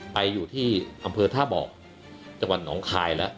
ไปอยู่ที่อำเภอท่าบอกจังหวัดหนองคายแล้ว